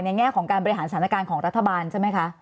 แง่ของการบริหารสถานการณ์ของรัฐบาลใช่ไหมคะ